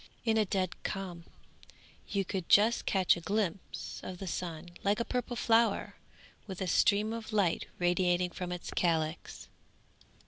In a dead calm you could just catch a glimpse of the sun like a purple flower with a stream of light radiating from its calyx.